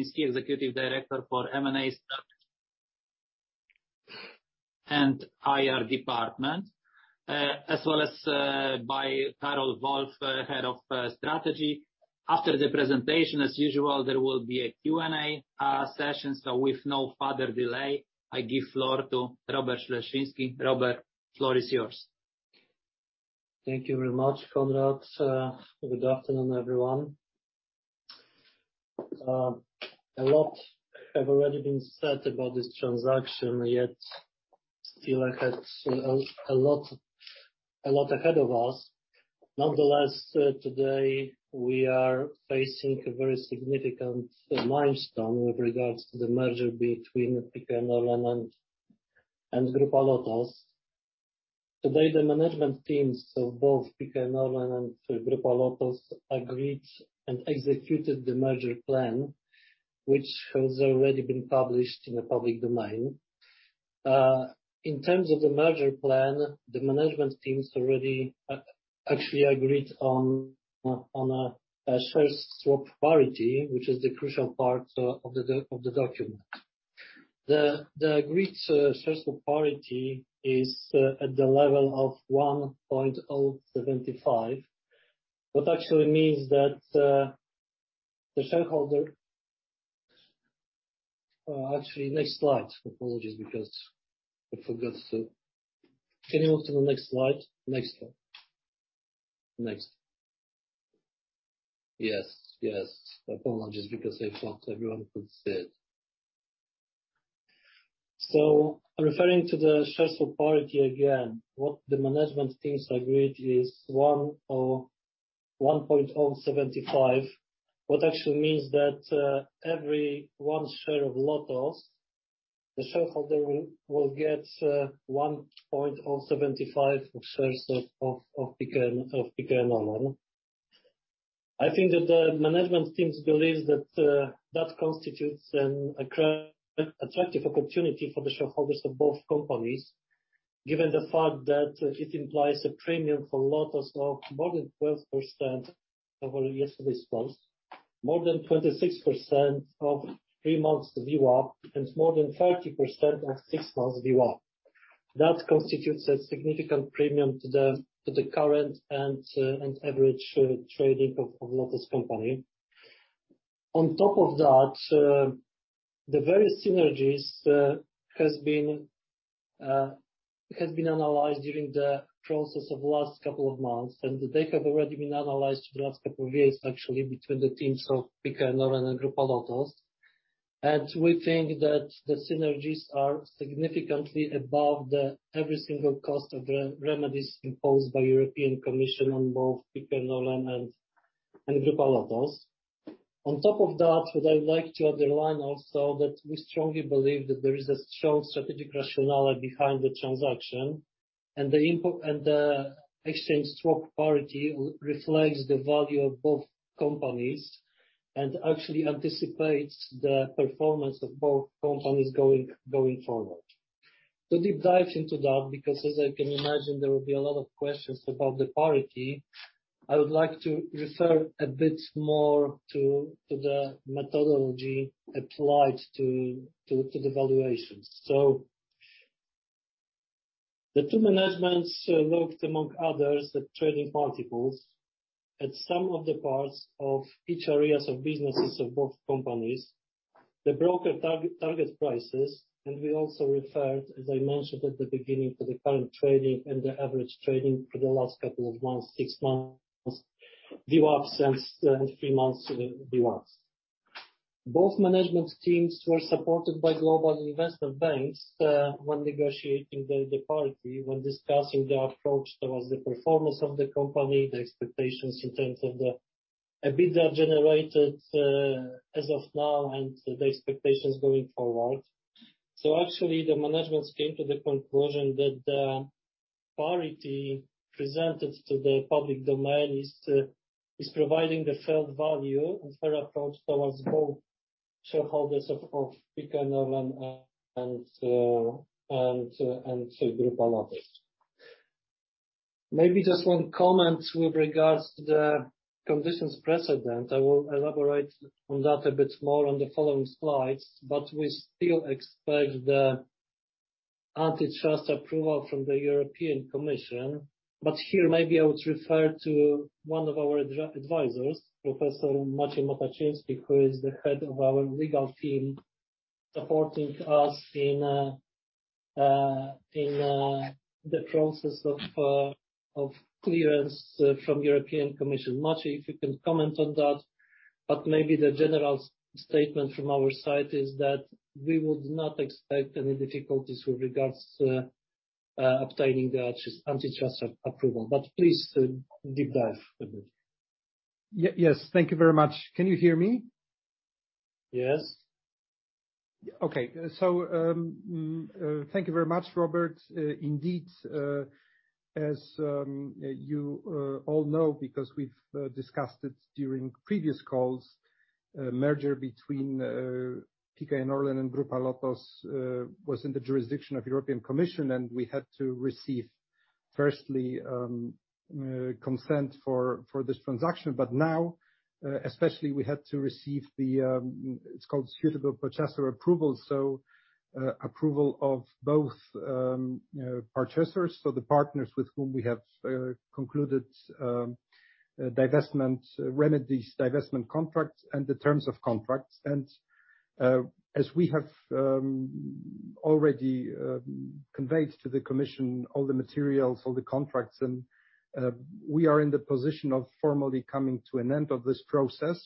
executive director for M&A and IR department, as well as by Karol Wolff, head of strategy. After the presentation, as usual, there will be a Q&A session. With no further delay, I give floor to Robert Ślesiński. Robert, floor is yours. Thank you very much, Konrad. Good afternoon, everyone. A lot have already been said about this transaction, yet still ahead, a lot ahead of us. Nonetheless, today we are facing a very significant milestone with regards to the merger between PKN ORLEN and Grupa LOTOS. Today, the management teams of both PKN ORLEN and Grupa LOTOS agreed and executed the merger plan, which has already been published in the public domain. In terms of the merger plan, the management teams already actually agreed on a share swap parity, which is the crucial part of the document. The agreed share swap parity is at the level of 1.075, what actually means that the shareholder actually, next slide. Apologies, because I forgot to. Can you go to the next slide? Next one. Next. Yes, yes. Apologies, because I want everyone could see it. Referring to the share swap parity again, what the management teams agreed is 1.075, what actually means that every one share of Lotos, the shareholder will get 1.075 of shares of PKN ORLEN. I think that the management teams believes that that constitutes an attractive opportunity for the shareholders of both companies, given the fact that it implies a premium for Lotos of more than 12% over yesterday's close, more than 26% of 3 months VWAP, and more than 30% of 6 months VWAP. That constitutes a significant premium to the current and average trading of Lotos company. On top of that, the various synergies has been analyzed during the process of last couple of months, and they have already been analyzed the last couple of years, actually, between the teams of PKN ORLEN and Grupa Lotos. We think that the synergies are significantly above the every single cost of remedies imposed by European Commission on both PKN ORLEN and Grupa Lotos. On top of that, what I would like to underline also that we strongly believe that there is a strong strategic rationale behind the transaction, and the share swap parity reflects the value of both companies and actually anticipates the performance of both companies going forward. To deep dive into that, because as you can imagine, there will be a lot of questions about the parity, I would like to refer a bit more to the methodology applied to the valuations. The two managements looked among others at trading multiples at some of the parts of each areas of businesses of both companies, the broker target prices, and we also referred, as I mentioned at the beginning, to the current trading and the average trading for the last couple of months, six months VWAP since three months VWAPs. Both management teams were supported by global investment banks when negotiating the parity, when discussing the approach towards the performance of the company, the expectations in terms of the EBITDA generated as of now and the expectations going forward. Actually, the management came to the conclusion that the parity presented to the public domain is providing the fair value and fair approach towards both shareholders of PKN ORLEN and Grupa LOTOS. Maybe just one comment with regards to the conditions precedent. I will elaborate on that a bit more on the following slides, but we still expect the antitrust approval from the European Commission. Here, maybe I would refer to one of our advisors, Professor Maciej Mataczyński, who is the head of our legal team, supporting us in the process of clearance from European Commission. Maciej, if you can comment on that, but maybe the general statement from our side is that we would not expect any difficulties with regards to obtaining the antitrust approval. Please, deep dive a bit. Yes. Thank you very much. Can you hear me? Yes. Okay. Thank you very much, Robert. Indeed, as you all know, because we've discussed it during previous calls, merger between PKN ORLEN and Grupa Lotos was in the jurisdiction of European Commission, and we had to receive consent for this transaction. Now, especially we had to receive the, it's called suitable purchaser approval. Approval of both purchasers. The partners with whom we have concluded divestment remedies, divestment contracts and the terms of contracts. As we have already conveyed to the Commission all the materials, all the contracts, and we are in the position of formally coming to an end of this process.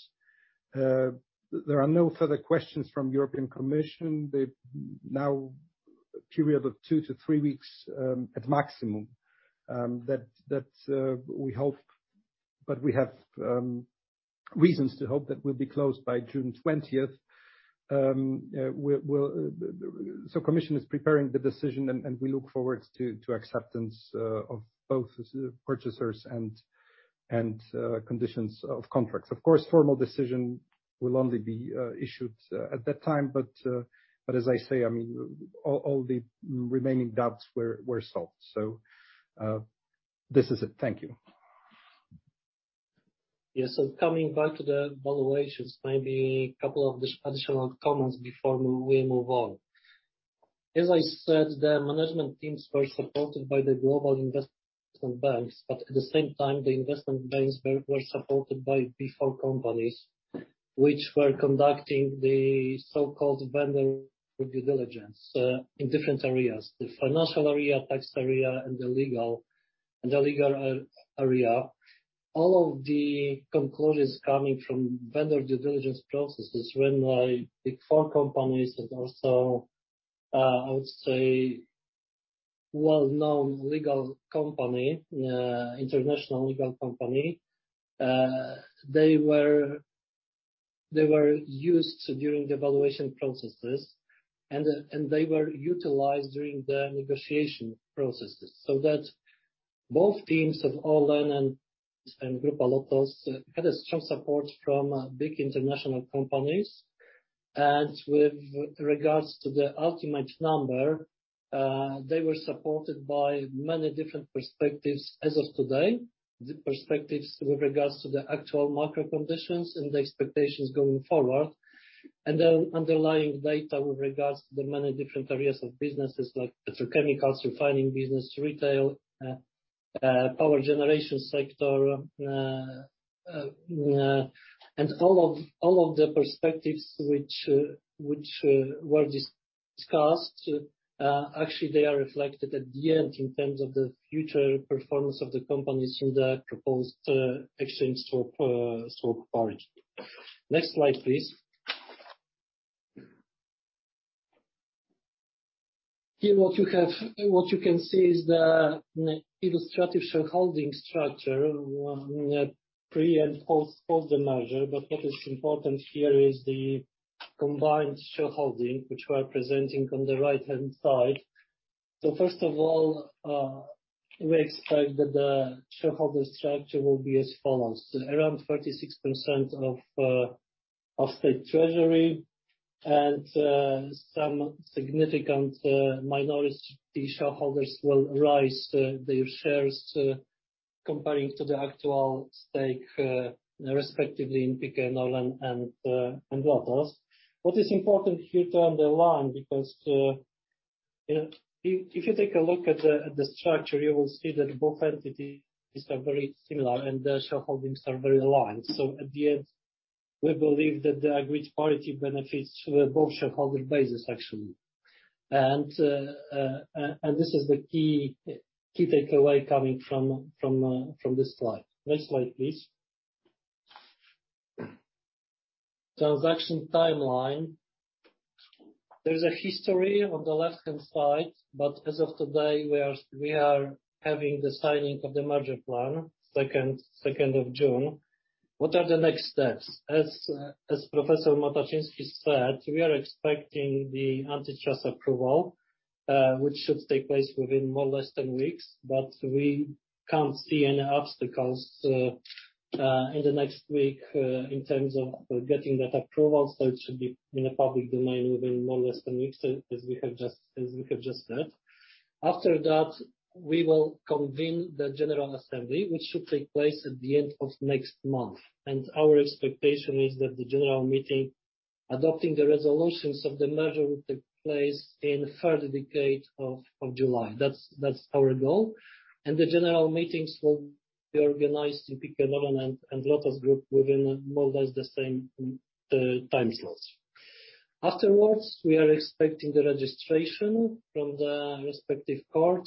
There are no further questions from European Commission. They've now a period of 2-3 weeks at maximum that we hope. We have reasons to hope that we'll be closed by June 20th. Commission is preparing the decision and we look forward to acceptance of both as purchasers and conditions of contracts. Of course, formal decision will only be issued at that time. As I say, I mean, all the remaining doubts were solved. This is it. Thank you. Yes. Coming back to the valuations, maybe a couple of these additional comments before we move on. As I said, the management teams were supported by the global investment banks, but at the same time, the investment banks were supported by Big Four companies, which were conducting the so-called vendor due diligence in different areas. The financial area, tax area, and the legal area. All of the conclusions coming from vendor due diligence processes run by Big Four companies and also I would say well-known legal company, international legal company. They were used during the valuation processes and they were utilized during the negotiation processes. That both teams of ORLEN and Grupa LOTOS had a strong support from big international companies. With regards to the ultimate number, they were supported by many different perspectives as of today, the perspectives with regards to the actual macro conditions and the expectations going forward, and the underlying data with regards to the many different areas of businesses like petrochemicals, refining business, retail, power generation sector, and all of the perspectives which were discussed, actually they are reflected at the end in terms of the future performance of the companies in the proposed swap arrangement. Next slide, please. Here what you have, what you can see is the illustrative shareholding structure, pre and post the merger. What is important here is the combined shareholding, which we are presenting on the right-hand side. First of all, we expect that the shareholder structure will be as follows. Around 36% of the State Treasury and some significant minority shareholders will rise their shares comparing to the actual stake respectively in PKN ORLEN and Lotos. What is important here to underline, because if you take a look at the structure, you will see that both entities are very similar and their shareholdings are very aligned. At the end, we believe that the agreed parity benefits both shareholder bases actually. This is the key takeaway coming from this slide. Next slide, please. Transaction timeline. There is a history on the left-hand side, but as of today, we are having the signing of the merger plan, second of June. What are the next steps? As Professor Mataczyński said, we are expecting the antitrust approval, which should take place within more or less 10 weeks, but we can't see any obstacles in the next week in terms of getting that approval. It should be in the public domain within more or less 10 weeks, as we have just said. After that, we will convene the general assembly, which should take place at the end of next month. Our expectation is that the general meeting adopting the resolutions of the merger will take place in the third decade of July. That's our goal. The general meetings will be organized in PKN ORLEN and Grupa LOTOS within more or less the same time slots. Afterwards, we are expecting the registration from the respective court.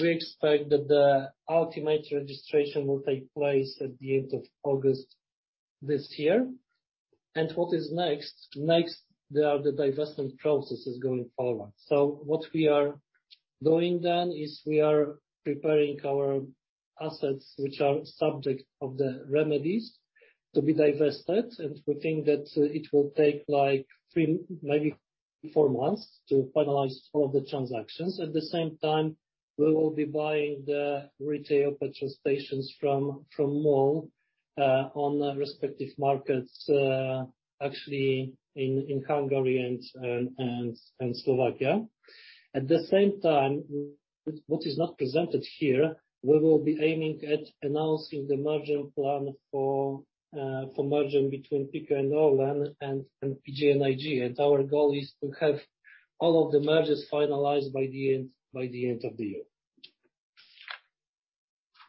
We expect that the ultimate registration will take place at the end of August this year. What is next? Next, there are the divestment processes going forward. What we are doing then is we are preparing our assets, which are subject of the remedies to be divested. We think that it will take, like, three, maybe four months to finalize all of the transactions. At the same time, we will be buying the retail petrol stations from MOL on the respective markets, actually in Hungary and Slovakia. At the same time, what is not presented here, we will be aiming at announcing the merger plan for merger between PKN ORLEN and PGNiG. Our goal is to have all of the mergers finalized by the end of the year.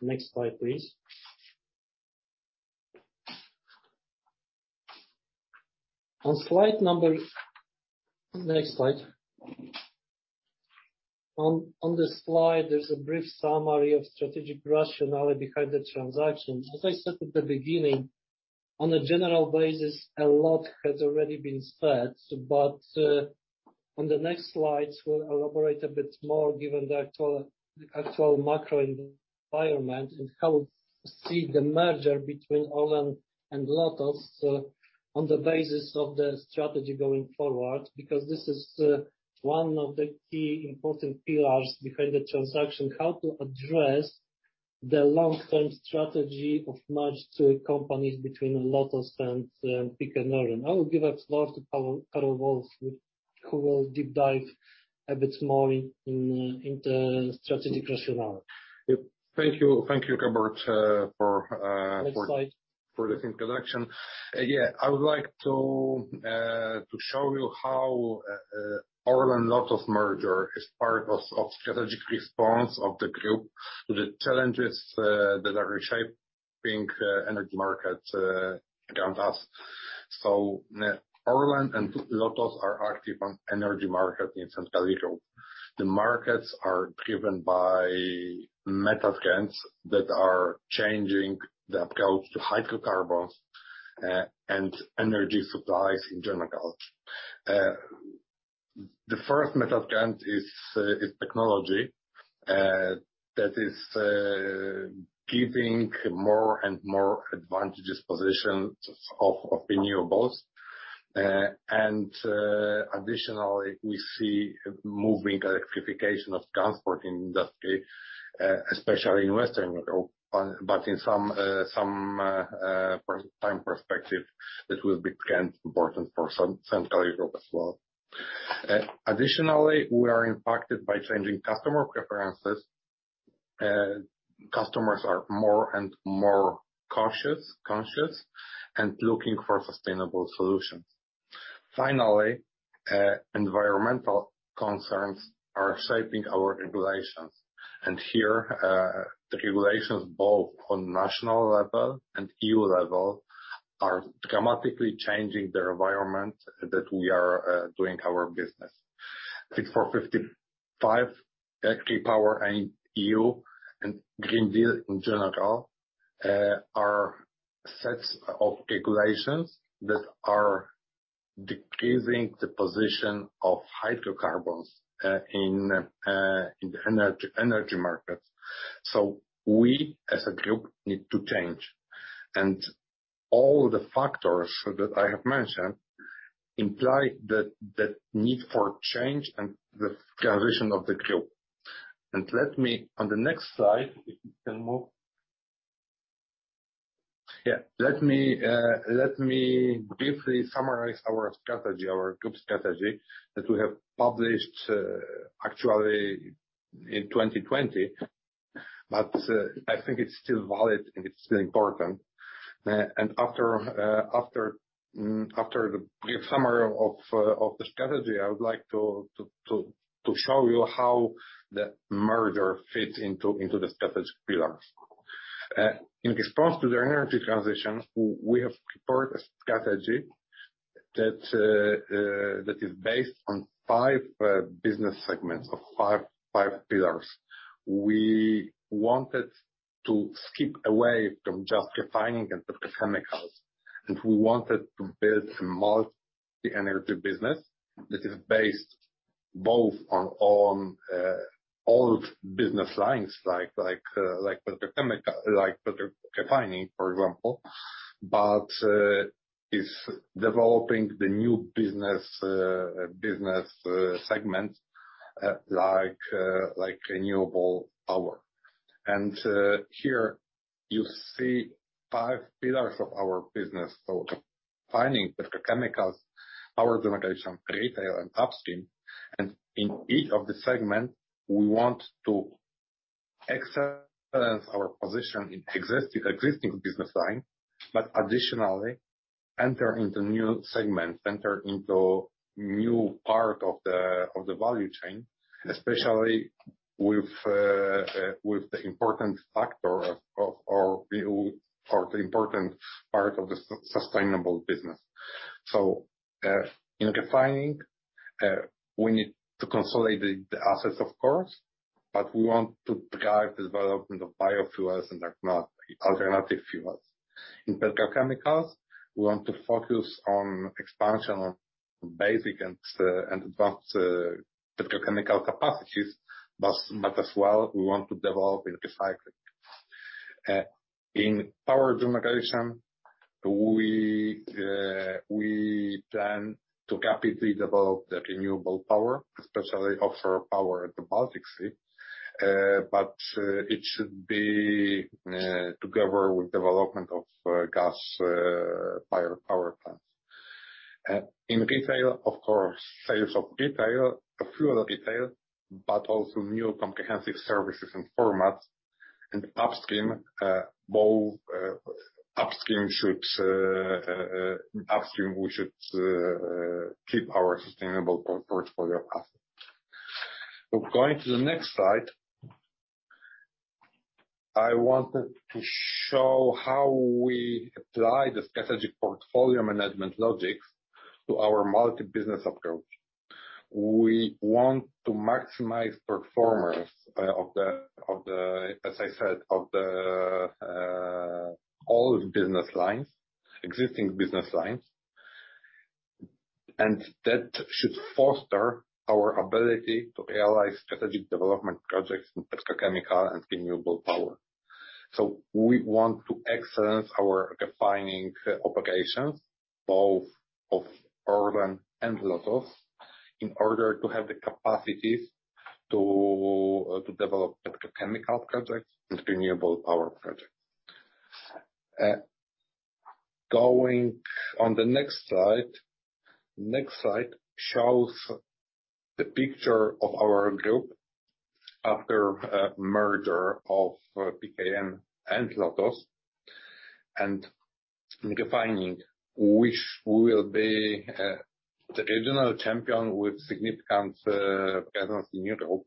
Next slide, please. Next slide. On this slide, there's a brief summary of strategic rationale behind the transactions. As I said at the beginning, on a general basis, a lot has already been said, but on the next slides, we'll elaborate a bit more given the actual macro environment and how we see the merger between ORLEN and Lotos, on the basis of the strategy going forward, because this is one of the key important pillars behind the transaction, how to address the long-term strategy of merged companies between Lotos and PKN ORLEN. I will give the floor to Paweł Woliński, who will deep dive a bit more in the strategic rationale. Yep. Thank you. Thank you, Robert Sobków, for. Next slide. For this introduction. Yeah. I would like to show you how ORLEN-Lotos merger is part of strategic response of the group to the challenges that are reshaping energy markets around us. ORLEN and Lotos are active on energy market in Central Europe. The markets are driven by mega-trends that are changing the approach to hydrocarbons and energy supplies in general. The first mega-trend is technology that is giving more and more advantageous position of renewables. Additionally, we see moving electrification of transport in industry, especially in Western Europe, but in some time perspective, it will become important for Central Europe as well. Additionally, we are impacted by changing customer preferences. Customers are more and more cautious, conscious, and looking for sustainable solutions. Finally, environmental concerns are shaping our regulations. Here, the regulations both on national level and EU level are dramatically changing the environment that we are doing our business. Fit for 55, Clean Energy for All Europeans and European Green Deal in general, are sets of regulations that are decreasing the position of hydrocarbons in the energy markets. We, as a group, need to change. All the factors that I have mentioned imply the need for change and the transition of the group. Let me. On the next slide, if we can move. Yeah. Let me briefly summarize our strategy, our group strategy that we have published, actually in 2020, but I think it's still valid and it's still important. After the brief summary of the strategy, I would like to show you how the merger fits into the strategy pillars. In response to the energy transition, we have prepared a strategy that is based on five business segments of five pillars. We wanted to step away from just refining and petrochemicals, and we wanted to build a multi-energy business that is based both on old business lines like petrochemical, like petro-refining, for example, but is developing the new business segments like renewable power. Here you see five pillars of our business. Refining, petrochemicals, power generation, retail, and upstream. In each of the segments, we want to excel in our position in existing business line, but additionally enter into new segments, new parts of the value chain, especially with the important factor of our view or the important part of the sustainable business. In refining, we need to consolidate the assets, of course, but we want to drive development of biofuels and other alternative fuels. In petrochemicals, we want to focus on expansion of basic and advanced petrochemical capacities, but as well, we want to develop into recycling. In power generation, we plan to rapidly develop the renewable power, especially offshore power at the Baltic Sea. But it should be together with development of gas power plants. In retail, of course, sales of retail, the fuel retail, but also new comprehensive services and formats. Upstream, both upstream we should keep our sustainable portfolio assets. Going to the next slide. I wanted to show how we apply the strategic portfolio management logics to our multi-business approach. We want to maximize performance, as I said, of the old business lines, existing business lines. That should foster our ability to realize strategic development projects in petrochemical and renewable power. We want to excel in our refining operations, both of ORLEN and LOTOS, in order to have the capacities to develop petrochemical projects and renewable power projects. Going on the next slide. Next slide shows the picture of our group after merger of PKN and LOTOS. In refining, which we will be the regional champion with significant presence in Europe.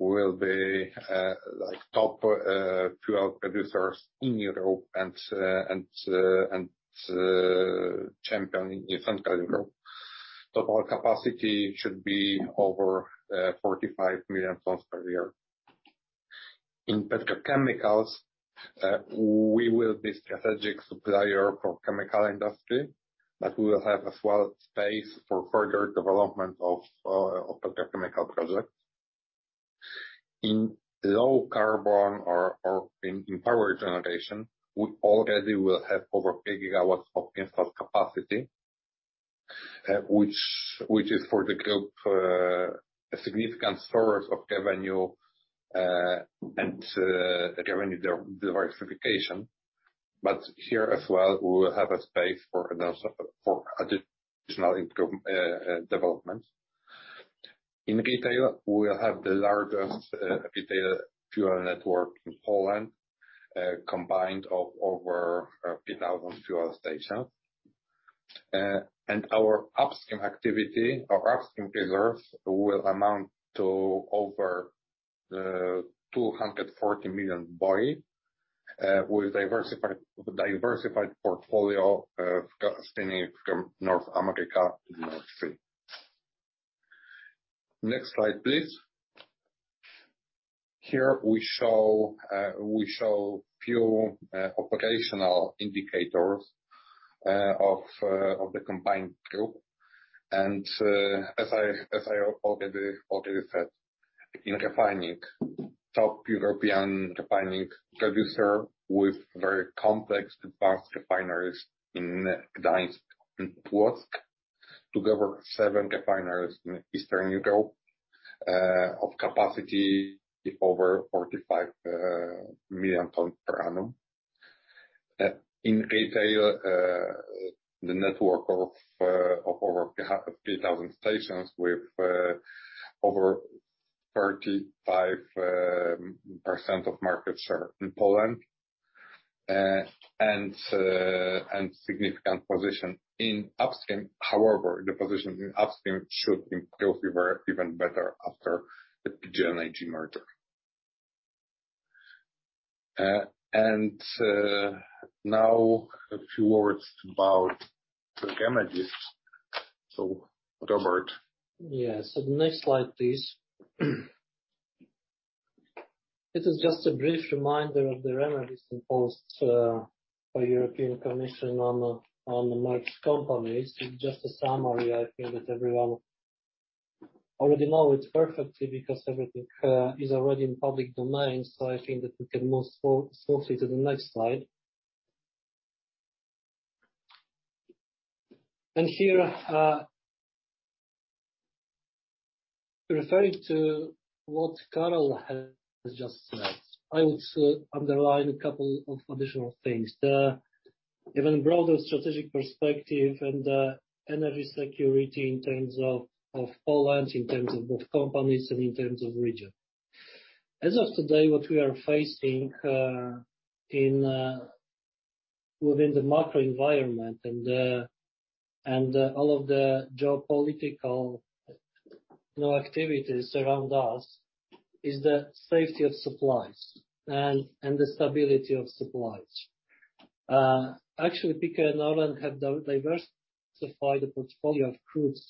We will be like top fuel producers in Europe and champion in Central Europe. Total capacity should be over 45 million tons per year. In petrochemicals, we will be strategic supplier for chemical industry, but we will have as well space for further development of petrochemical projects. In low carbon or in power generation, we already will have over 8 gigawatts of installed capacity, which is for the group a significant source of revenue and revenue diversification. Here as well, we will have a space for additional development. In retail, we will have the largest retail fuel network in Poland, combined of over 3,000 fuel stations. Our upstream activity or upstream reserves will amount to over 240 million BOE, with diversified portfolio, extending from North America to North Sea. Next slide, please. Here we show few operational indicators of the combined group. As I already said, in refining, top European refining producer with very complex advanced refineries in Gdańsk and Płock. Together, seven refineries in Eastern Europe, of capacity over 45 million tons per annum. In retail, the network of over 33,000 stations with over 35% of market share in Poland and significant position in upstream. However, the position in upstream should improve even better after the PGNiG merger. Now a few words about the remedies. Robert. Yes. The next slide, please. This is just a brief reminder of the remedies imposed by European Commission on the merged companies. It's just a summary. I think that everyone already know it perfectly because everything is already in public domain. I think that we can move forward to the next slide. Here, referring to what Karol has just said, I would underline a couple of additional things. The even broader strategic perspective and energy security in terms of Poland, in terms of both companies, and in terms of region. As of today, what we are facing in within the macro environment and all of the geopolitical, you know, activities around us, is the safety of supplies and the stability of supplies. Actually, PKN ORLEN has diversified the portfolio of crudes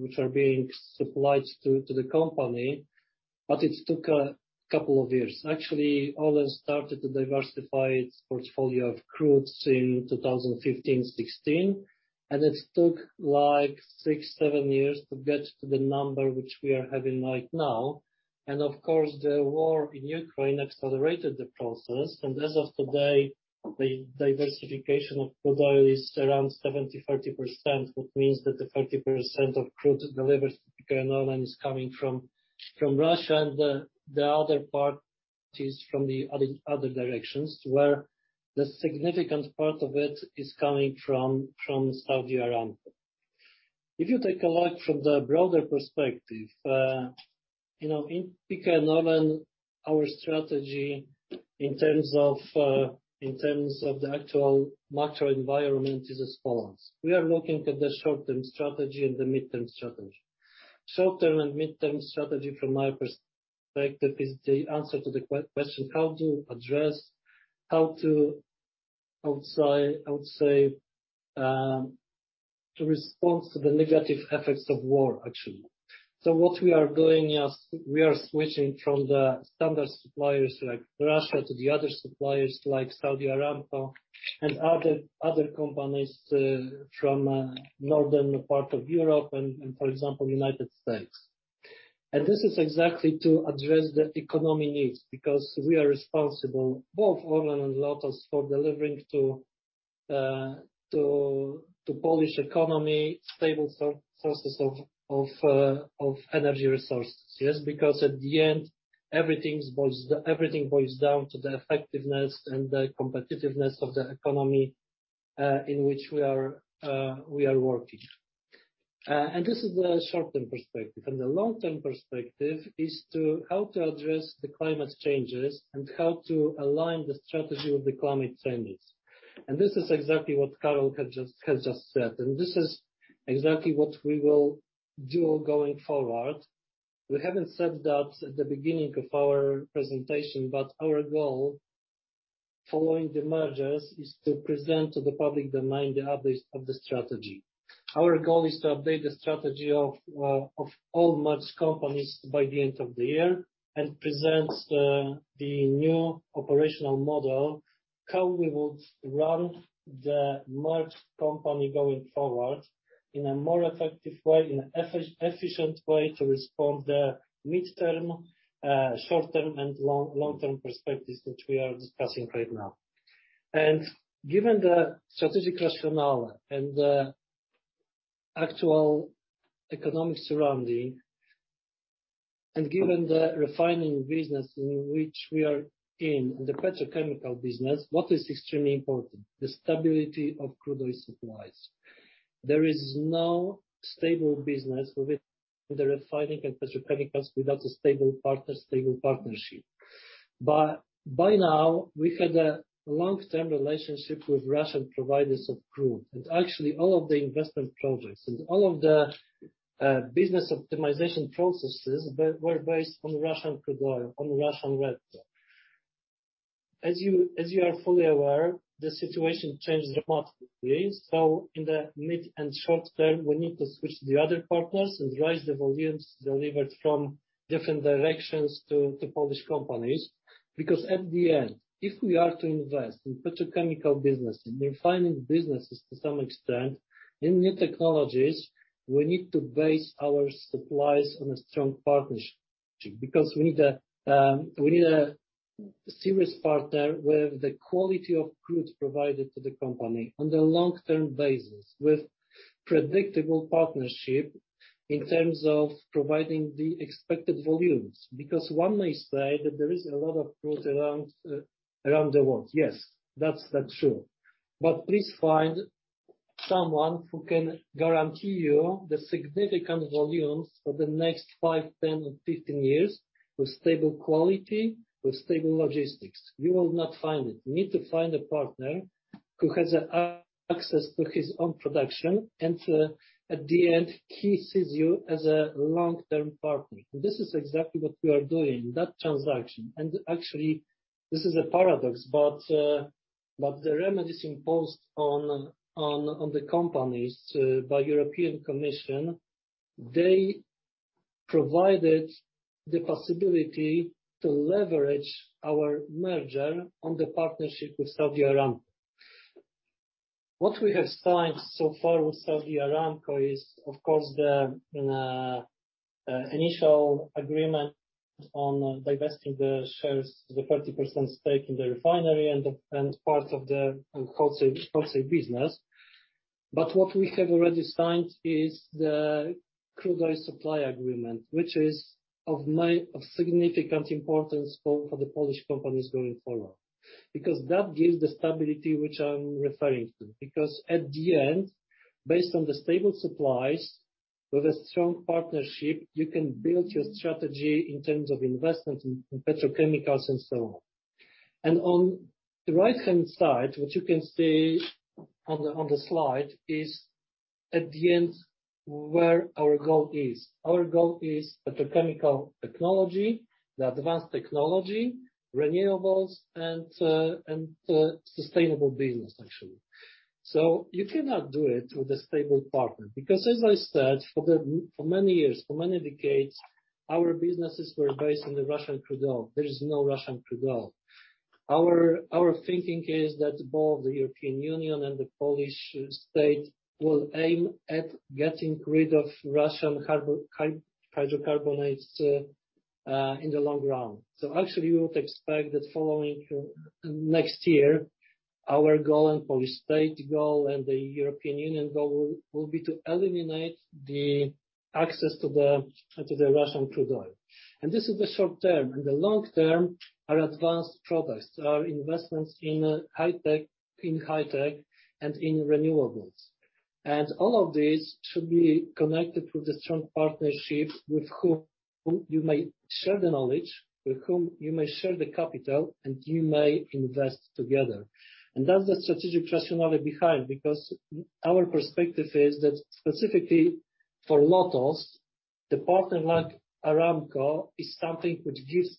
which are being supplied to the company, but it took a couple of years. Actually, ORLEN started to diversify its portfolio of crudes in 2015, 2016, and it took like 6, 7 years to get to the number which we are having right now. Of course, the war in Ukraine accelerated the process. As of today, the diversification of crude oil is around 70-30%, which means that the 30% of crude delivered to PKN ORLEN is coming from Russia, and the other part is from the other directions, where the significant part of it is coming from Saudi Aramco. If you take a look from the broader perspective, you know, in PKN ORLEN, our strategy in terms of the actual macro environment is as follows. We are looking at the short-term strategy and the mid-term strategy. Short-term and mid-term strategy from my perspective is the answer to the question, how to address, I would say, to respond to the negative effects of war, actually. What we are doing is we are switching from the standard suppliers like Russia to the other suppliers like Saudi Aramco and other companies from the northern part of Europe and, for example, United States. This is exactly to address the economy needs because we are responsible, both ORLEN and LOTOS, for delivering to the Polish economy stable sources of energy resources. Yes, because at the end, everything boils down to the effectiveness and the competitiveness of the economy in which we are working. This is the short-term perspective. The long-term perspective is to how to address the climate changes and how to align the strategy with the climate changes. This is exactly what Karol has just said. This is exactly what we will do going forward. We haven't said that at the beginning of our presentation, but our goal following the mergers is to present to the public domain the updates of the strategy. Our goal is to update the strategy of all merged companies by the end of the year and present the new operational model, how we would run the merged company going forward in a more effective way, in an efficient way to respond the midterm, short-term, and long-term perspectives, which we are discussing right now. Given the strategic rationale and the actual economic surrounding, and given the refining business in which we are in, the petrochemical business, what is extremely important? The stability of crude oil supplies. There is no stable business within the refining and petrochemicals without a stable partner, stable partnership. By now, we had a long-term relationship with Russian providers of crude. Actually all of the investment projects and all of the business optimization processes were based on Russian crude oil, on Russian vector. As you are fully aware, the situation changed dramatically. In the mid and short term, we need to switch to the other partners and raise the volumes delivered from different directions to Polish companies. Because at the end, if we are to invest in petrochemical business, in refining businesses to some extent, in new technologies, we need to base our supplies on a strong partnership. Because we need a serious partner with the quality of crude provided to the company on a long-term basis, with predictable partnership in terms of providing the expected volumes. Because one may say that there is a lot of crude around the world. Yes, that's true. Please find someone who can guarantee you the significant volumes for the next 5, 10, or 15 years with stable quality, with stable logistics. You will not find it. You need to find a partner who has access to his own production, and at the end, he sees you as a long-term partner. This is exactly what we are doing, that transaction. Actually, this is a paradox, but the remedies imposed on the companies by the European Commission provided the possibility to leverage our merger on the partnership with Saudi Aramco. What we have signed so far with Saudi Aramco is, of course, the initial agreement on divesting the shares, the 30% stake in the refinery and part of the wholesale business. What we have already signed is the crude oil supply agreement, which is of significant importance for the Polish companies going forward. Because that gives the stability which I'm referring to. Because at the end, based on the stable supplies with a strong partnership, you can build your strategy in terms of investments in petrochemicals and so on. On the right-hand side, what you can see on the slide is at the end where our goal is. Our goal is petrochemical technology, the advanced technology, renewables and sustainable business, actually. You cannot do it with a stable partner because as I said, for many years, for many decades, our businesses were based on the Russian crude oil. There is no Russian crude oil. Our thinking is that both the European Union and the Polish state will aim at getting rid of Russian hydrocarbons in the long run. Actually, we would expect that following next year, our goal and Polish state goal and the European Union goal will be to eliminate access to the Russian crude oil. This is the short term. In the long term are advanced products or investments in high tech and in renewables. All of this should be connected to the strong partnership with whom you may share the knowledge, with whom you may share the capital, and you may invest together. That's the strategic rationality behind, because our perspective is that specifically for Lotos, the partner like Aramco is something which gives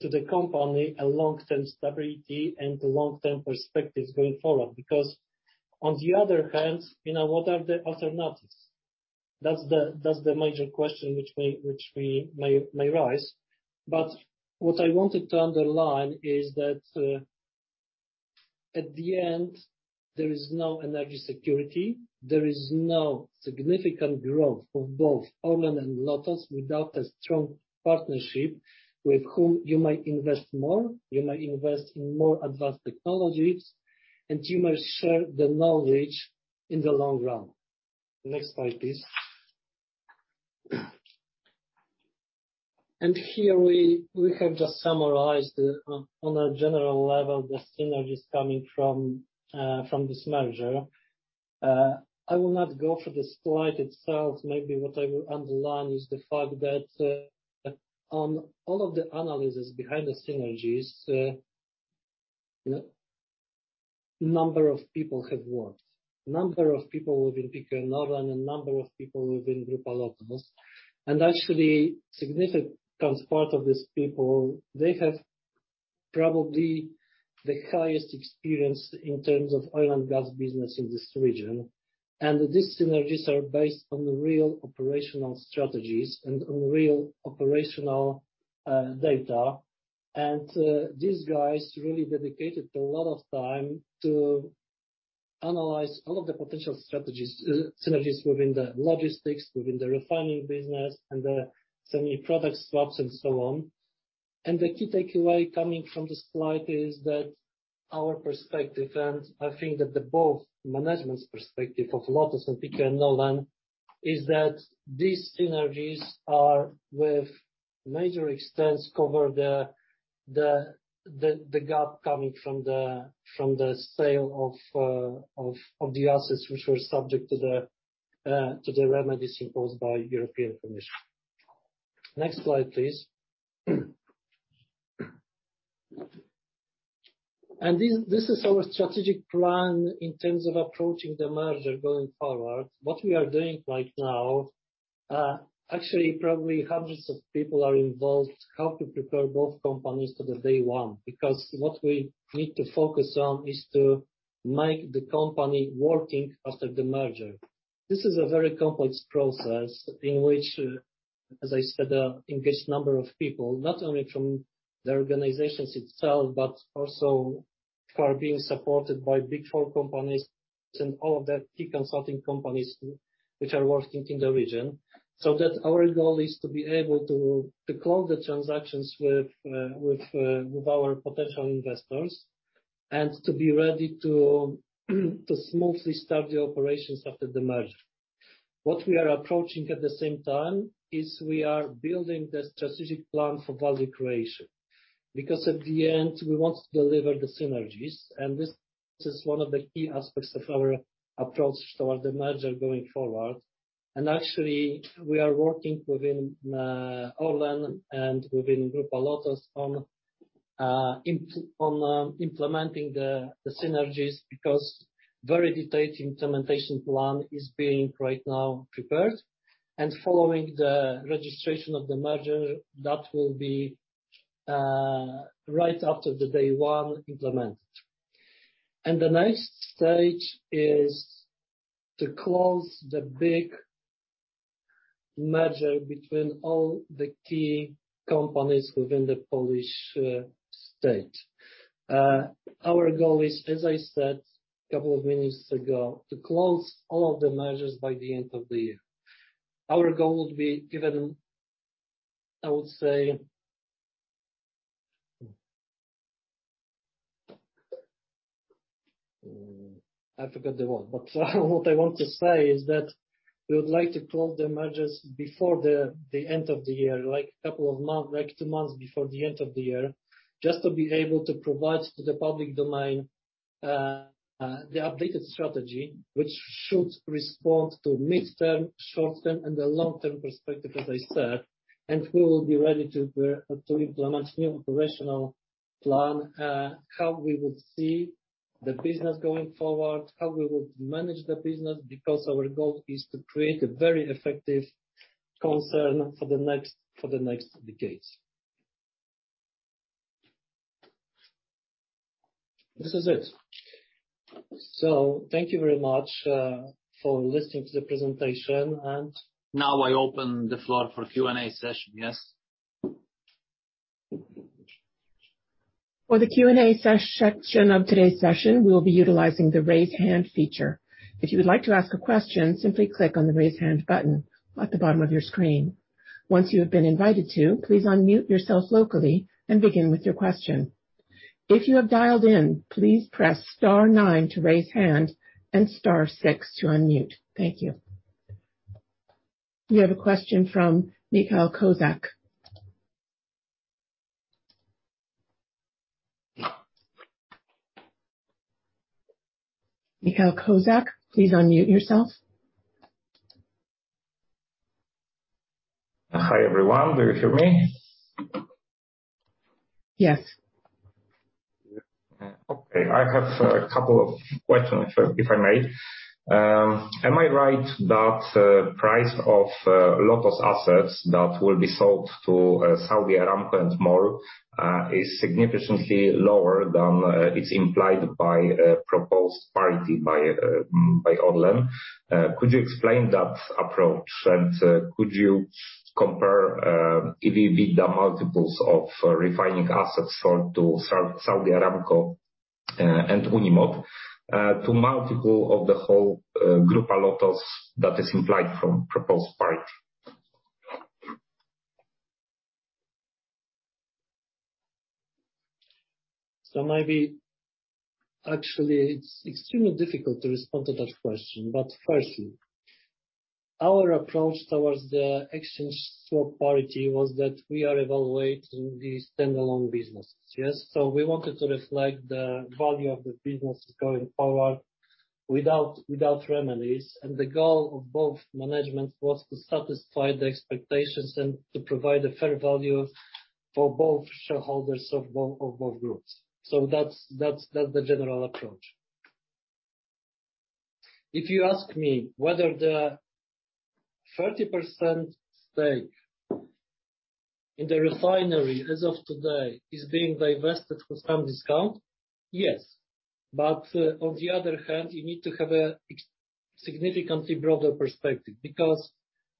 to the company a long-term stability and a long-term perspective going forward. Because on the other hand, you know, what are the alternatives? That's the major question which we may rise. What I wanted to underline is that, at the end, there is no energy security, there is no significant growth for both ORLEN and Lotos without a strong partnership with whom you may invest more, you may invest in more advanced technologies, and you may share the knowledge in the long run. Next slide, please. Here we have just summarized on a general level the synergies coming from this merger. I will not go through the slide itself. Maybe what I will underline is the fact that on all of the analysis behind the synergies, you know, number of people have worked, number of people within PKN ORLEN and number of people within Grupa Lotos. Actually, significant part of these people, they have probably the highest experience in terms of oil and gas business in this region. These synergies are based on real operational strategies and on real operational data. These guys really dedicated a lot of time to analyze all of the potential strategies, synergies within the logistics, within the refining business and the semi product swaps and so on. The key takeaway coming from the slide is that our perspective, and I think that the both management's perspective of Lotos and PKN ORLEN, is that these synergies are with major extents cover the gap coming from the sale of the assets which were subject to the remedies imposed by European Commission. Next slide, please. This is our strategic plan in terms of approaching the merger going forward. What we are doing right now, actually, probably hundreds of people are involved how to prepare both companies to the day one, because what we need to focus on is to make the company working after the merger. This is a very complex process in which, as I said, engaged number of people, not only from the organizations itself, but also who are being supported by Big Four companies and all of the key consulting companies which are working in the region. That our goal is to be able to close the transactions with our potential investors and to be ready to smoothly start the operations after the merger. What we are approaching at the same time is we are building the strategic plan for value creation, because at the end we want to deliver the synergies and this is one of the key aspects of our approach toward the merger going forward. Actually, we are working within ORLEN and within Grupa LOTOS on implementing the synergies because very detailed implementation plan is being right now prepared. Following the registration of the merger, that will be right after the day one, implemented. The next stage is to close the big merger between all the key companies within the Polish state. Our goal is, as I said a couple of minutes ago, to close all of the mergers by the end of the year. Our goal would be given, I would say. I forgot the word, but what I want to say is that we would like to close the mergers before the end of the year, like a couple of months before the end of the year, just to be able to provide to the public domain the updated strategy, which should respond to mid-term, short-term and the long-term perspective, as I said. We will be ready to implement new operational plan, how we would see the business going forward, how we would manage the business, because our goal is to create a very effective concern for the next decades. This is it. Thank you very much for listening to the presentation. Now I open the floor for Q&A session. Yes. For the Q&A session of today's session, we will be utilizing the Raise Hand feature. If you would like to ask a question, simply click on the Raise Hand button at the bottom of your screen. Once you have been invited to, please unmute yourself locally and begin with your question. If you have dialed in, please press star nine to raise hand and star six to unmute. Thank you. We have a question from Michał Kozak. Michał Kozak, please unmute yourself. Hi, everyone. Do you hear me? Yes. Okay. I have a couple of questions, if I may. Am I right that price of LOTOS assets that will be sold to Saudi Aramco and MOL is significantly lower than is implied by a proposed parity by ORLEN? Could you explain that approach? Could you compare EV/EBITDA multiples of refining assets sold to Saudi Aramco and Unimot to multiple of the whole Grupa LOTOS that is implied from proposed parity? Actually, it's extremely difficult to respond to that question. Firstly, our approach towards the share swap parity was that we are evaluating the standalone businesses. Yes? We wanted to reflect the value of the businesses going forward without remedies. The goal of both managements was to satisfy the expectations and to provide a fair value for both shareholders of both groups. That's the general approach. If you ask me whether the 30% stake in the refinery as of today is being divested for some discount, yes. On the other hand, you need to have a significantly broader perspective, because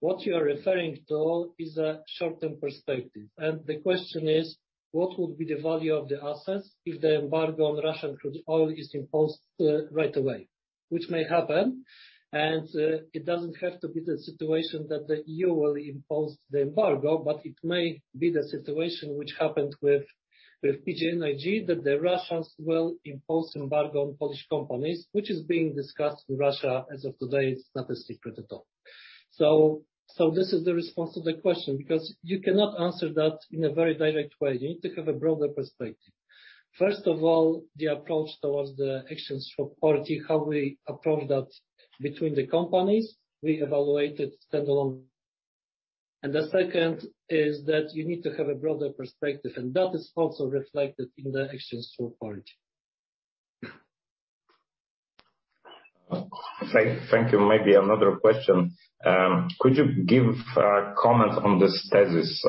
what you are referring to is a short-term perspective. The question is, what would be the value of the assets if the embargo on Russian crude oil is imposed right away? Which may happen, and it doesn't have to be the situation that the EU will impose the embargo, but it may be the situation which happened with PGNiG, that the Russians will impose embargo on Polish companies, which is being discussed with Russia as of today. It's not a secret at all. This is the response to the question, because you cannot answer that in a very direct way. You need to have a broader perspective. First of all, the approach towards the share swap parity, how we approach that between the companies, we evaluate it standalone. The second is that you need to have a broader perspective, and that is also reflected in the share swap parity. Thank you. Maybe another question. Could you give a comment on this thesis,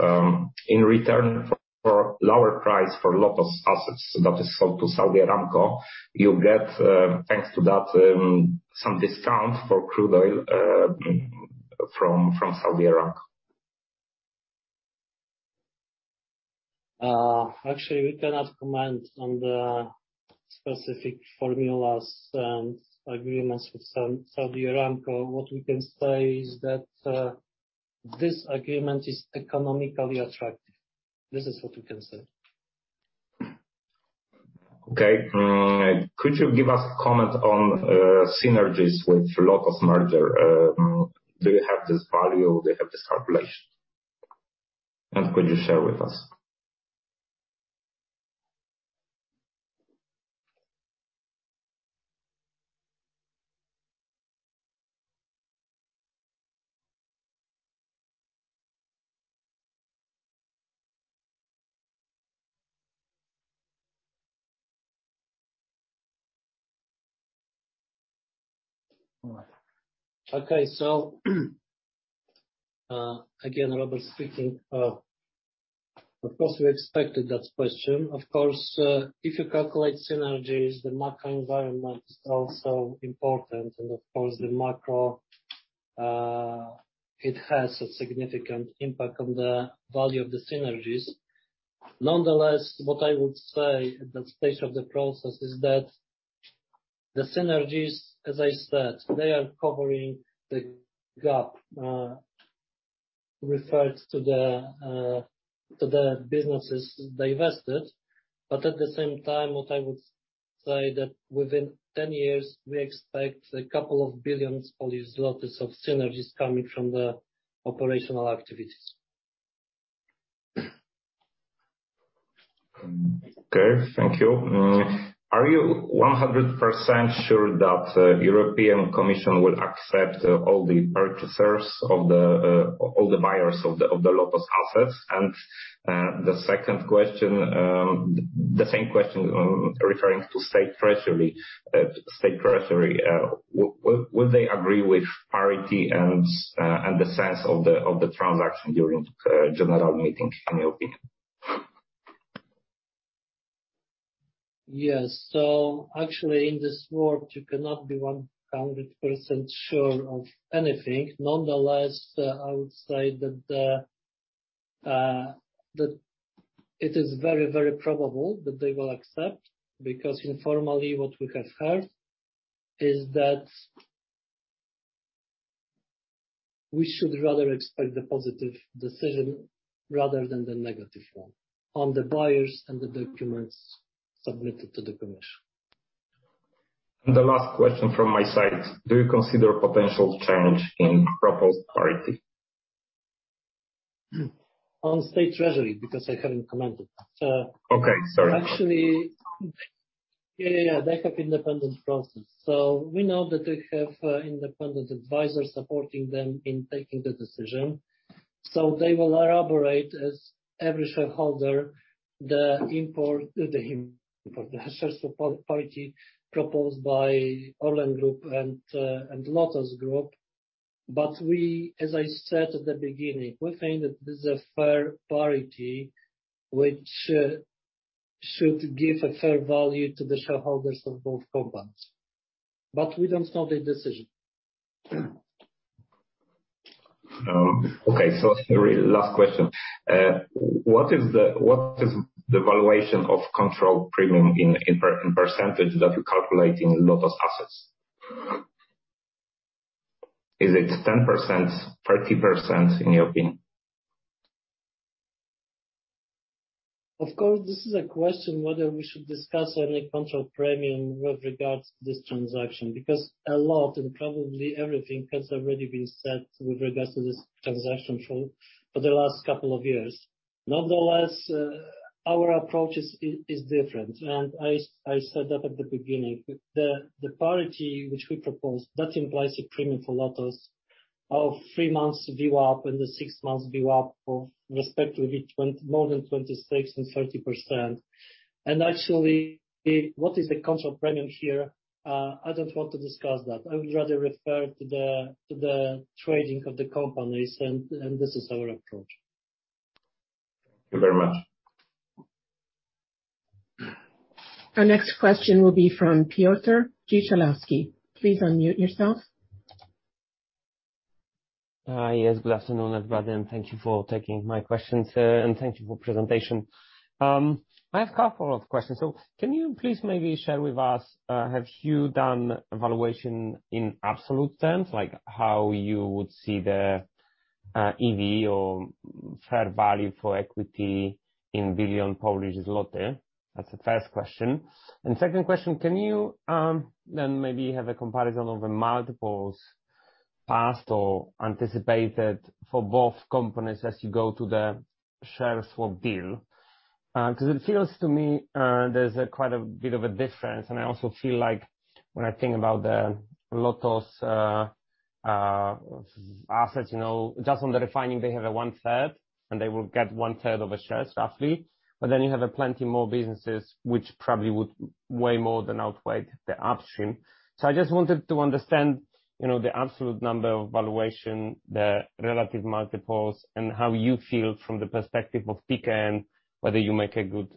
in return for lower price for Lotos assets that is sold to Saudi Aramco, you get, thanks to that, some discount for crude oil, from Saudi Aramco. Actually, we cannot comment on the specific formulas and agreements with Saudi Aramco. What we can say is that this agreement is economically attractive. This is what we can say. Okay. Could you give us comment on synergies with Lotos merger? Do you have this value? Do you have this calculation? Could you share with us? Okay, again, Robert speaking. Of course, we expected that question. Of course, if you calculate synergies, the macro environment is also important. Of course, the macro, it has a significant impact on the value of the synergies. Nonetheless, what I would say at that stage of the process is that the synergies, as I said, they are covering the gap, referred to the businesses divested. At the same time, what I would say that within 10 years, we expect a couple of billion PLN of synergies coming from the operational activities. Okay. Thank you. Are you 100% sure that European Commission will accept all the buyers of the Lotos assets? The second question, the same question referring to State Treasury. State Treasury, will they agree with parity and the size of the transaction during general meetings, in your opinion? Yes. Actually, in this world, you cannot be 100% sure of anything. Nonetheless, I would say that it is very, very probable that they will accept, because informally, what we have heard is that we should rather expect the positive decision rather than the negative one on the buyers and the documents submitted to the commission. The last question from my side, do you consider potential change in proposed parity? I'll State Treasury because I haven't commented. Okay, sorry. Actually, yeah. They have independent process. We know that they have independent advisors supporting them in taking the decision. They will elaborate, as every shareholder, the importance of the share swap parity proposed by ORLEN Group and LOTOS Group. We, as I said at the beginning, think that this is a fair parity which should give a fair value to the shareholders of both companies. We don't know their decision. Okay. The last question. What is the valuation of control premium in percentage that you calculate in Lotos assets? Is it 10%, 30%, in your opinion? Of course, this is a question whether we should discuss any control premium with regards to this transaction, because a lot and probably everything has already been said with regards to this transaction for the last couple of years. Nonetheless, our approach is different. I said that at the beginning. The parity which we propose, that implies a premium for LOTOS of three months VWAP and the six months VWAP of respectively more than 26% and 30%. Actually, what is the control premium here? I don't want to discuss that. I would rather refer to the trading of the companies, and this is our approach. Thank you very much. Our next question will be from Piotr Gancewski. Please unmute yourself. Yes. Good afternoon, everybody, and thank you for taking my questions, and thank you for presentation. I have a couple of questions. Can you please maybe share with us, have you done valuation in absolute terms, like how you would see the EV or fair value for equity in billion Polish zloty? That's the first question. Second question, can you then maybe have a comparison of the multiples, past or anticipated, for both companies as you go to the share swap deal? 'Cause it feels to me, there's quite a bit of a difference. I also feel like when I think about the LOTOS assets, you know, just on the refining, they have a one-third, and they will get one-third of a share, roughly. You have plenty more businesses which probably would way more than outweigh the upstream. I just wanted to understand, you know, the absolute number of valuation, the relative multiples, and how you feel from the perspective of PKN, whether you make a good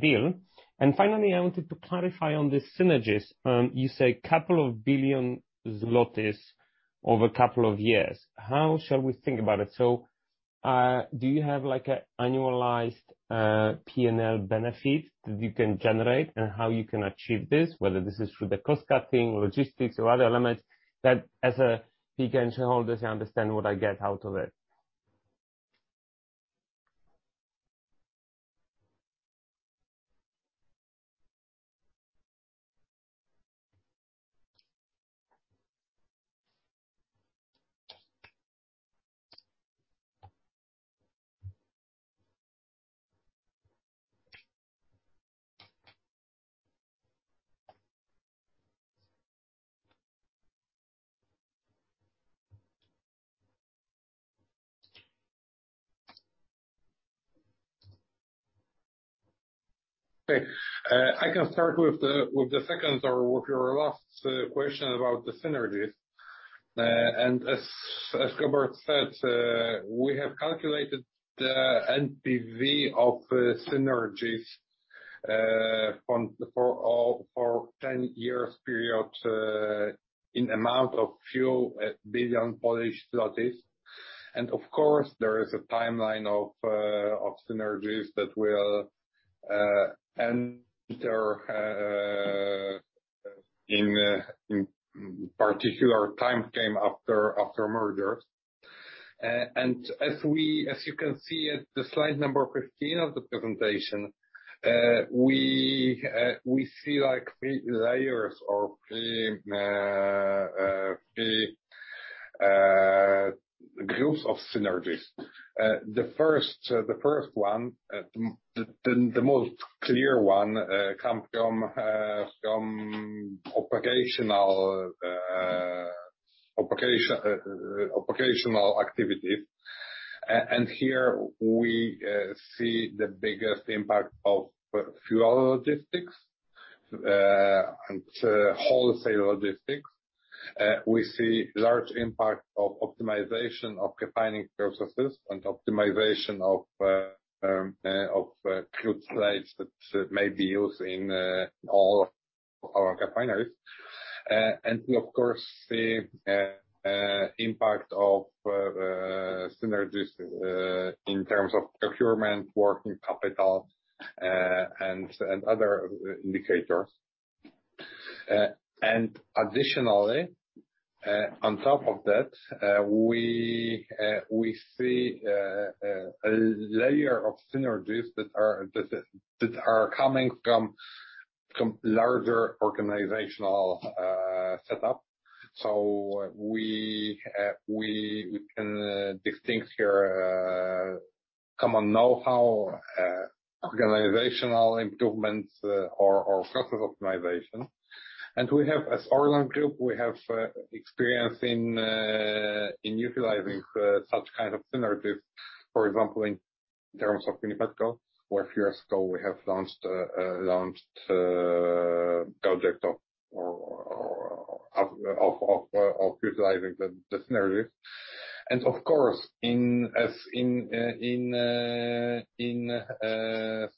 deal. I wanted to clarify on the synergies. You say couple of billion PLN over a couple of years. How shall we think about it? Do you have like an annualized P&L benefit that you can generate and how you can achieve this, whether this is through the cost-cutting, logistics or other elements that as a PKN shareholder, I understand what I get out of it. I can start with the second or with your last question about the synergies. As Robert said, we have calculated the NPV of synergies for 10 years period in amount of few billion PLN. Of course, there is a timeline of synergies that will enter in particular timeframe after merger. As you can see at the slide number 15 of the presentation, we see like three layers or three groups of synergies. The first one, the most clear one, come from operational activities. Here we see the biggest impact of fuel logistics and wholesale logistics. We see large impact of optimization of refining processes and optimization of crude slates that may be used in all our refineries. We, of course, see impact of synergies in terms of procurement, working capital, and other indicators. Additionally, on top of that, we see a layer of synergies that are coming from larger organizational setup. We can distinguish here common know-how, organizational improvements, or process optimization. We have as ORLEN Group experience in utilizing such kind of synergies. For example, in terms of Energa, where a few years ago we have launched project of utilizing the synergies. Of course, in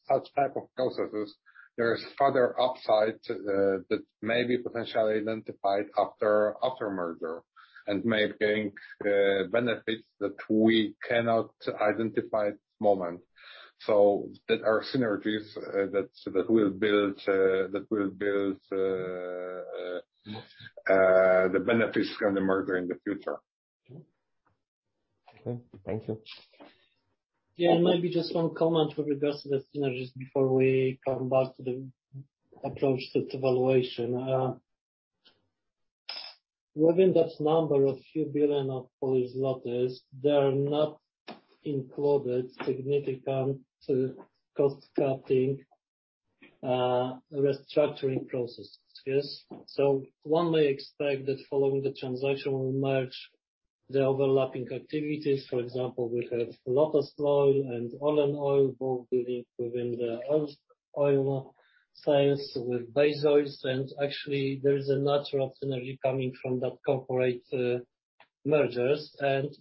such type of processes, there is further upside that may be potentially identified after merger and may bring benefits that we cannot identify at this moment. There are synergies that will build the benefits from the merger in the future. Okay. Thank you. Yeah. Maybe just one comment with regards to the synergies before we come back to the approach to valuation. Within that number of few billion PLN, they are not included significant cost-cutting restructuring processes. Yes? One may expect that following the transaction will merge the overlapping activities. For example, we have Lotos Oil and Orlen Oil, both within the oil sales with base oils. Actually, there is a natural synergy coming from that corporate mergers.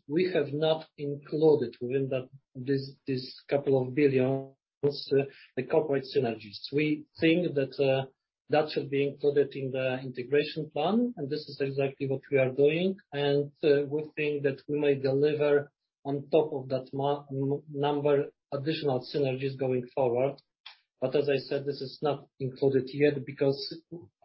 We have not included within that this couple of billions PLN the corporate synergies. We think that that should be included in the integration plan. This is exactly what we are doing. We think that we may deliver on top of that number additional synergies going forward. As I said, this is not included yet because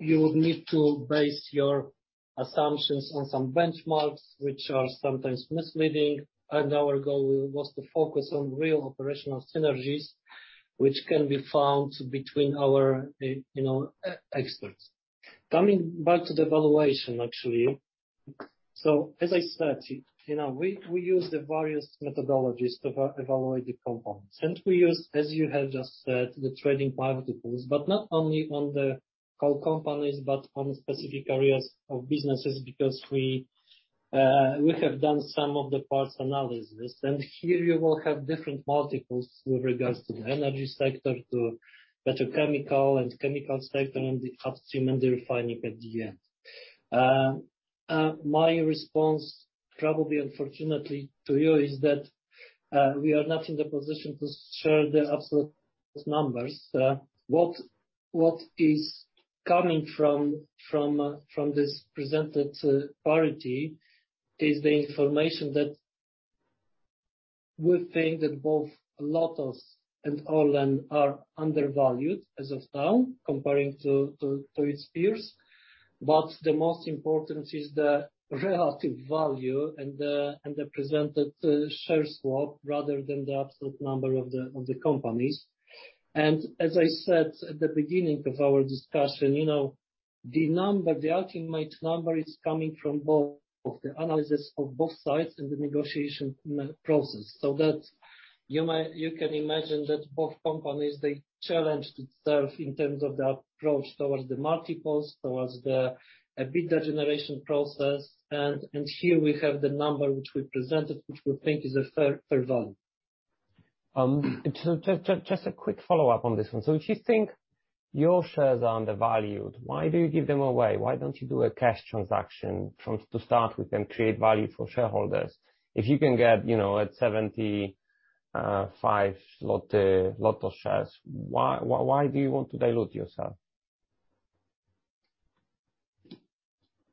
you would need to base your assumptions on some benchmarks, which are sometimes misleading. Our goal was to focus on real operational synergies, which can be found between our, you know, experts. Coming back to the valuation, actually. As I said, you know, we use the various methodologies to evaluate the components, and we use, as you have just said, the trading multiples, but not only on the whole companies, but on specific areas of businesses. Because we have done sum-of-the-parts analysis, and here you will have different multiples with regards to the energy sector, to petrochemical and chemical sector, and the upstream and the refining at the end. My response, probably unfortunately to you, is that we are not in the position to share the absolute numbers. What is coming from this presentation. The priority is the information that we think that both Lotos and Orlen are undervalued as of now comparing to its peers. The most important is the relative value and the presented share swap rather than the absolute number of the companies. As I said at the beginning of our discussion, you know, the number, the ultimate number is coming from both of the analysis of both sides in the negotiation process. That you can imagine that both companies, they challenge itself in terms of the approach towards the multiples, towards the EBITDA generation process. Here we have the number which we presented, which we think is a fair value. Just a quick follow-up on this one. If you think your shares are undervalued, why do you give them away? Why don't you do a cash transaction to start with and create value for shareholders? If you can get, you know, at 75 PLN Lotos shares, why do you want to dilute yourself?